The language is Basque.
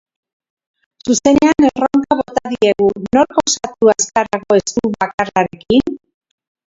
Zuzenean erronka bota diegu, nork osatu azkarrago esku bakarrarekin?